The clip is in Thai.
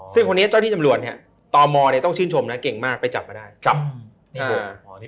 ซึ่งคนนี้เจ้าธิจำรวชเนี่ยตอนหมอเนี่ยต้องชื่นชมนะเก่งมากไปจับมาได้